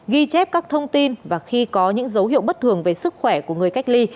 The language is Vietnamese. ghi chép các thông tin và khi có những dấu hiệu bất thường về sức khỏe của người cách ly